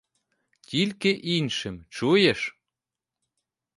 Тільки іншим, — чуєш?